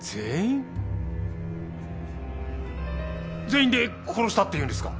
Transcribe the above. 全員で殺したっていうんですか！？